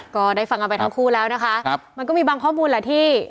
ก็ได้ฟังกันไปทั้งคู่แล้วนะคะครับมันก็มีบางข้อมูลแหละที่